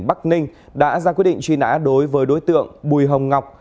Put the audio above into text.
bắc ninh đã ra quyết định truy nã đối với đối tượng bùi hồng ngọc